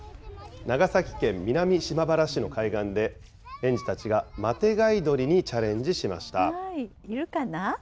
長崎県南島原市の海岸で、園児たちがマテ貝採りにチャレンジしました。